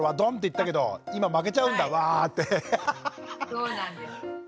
そうなんです。